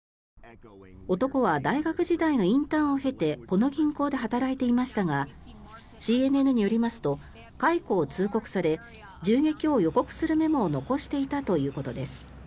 男は大学時代のインターンを経てこの銀行で働いていましたがＣＮＮによりますと解雇を通告され銃撃を予告するメモを残していたということです。